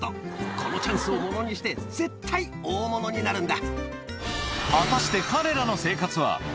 このチャンスをものにして、絶対大物になるんだ。